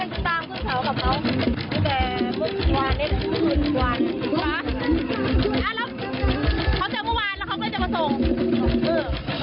โรงเรียนไหน